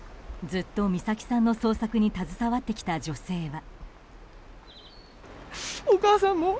ずっと美咲さんの捜索に携わってきた女性は。